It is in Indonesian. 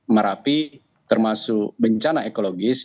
merapi termasuk bencana ekologis